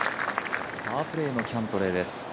パープレーのキャントレーです。